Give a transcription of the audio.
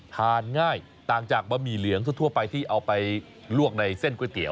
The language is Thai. ทานง่ายต่างจากบะหมี่เหลืองทั่วไปที่เอาไปลวกในเส้นก๋วยเตี๋